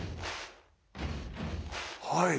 はい！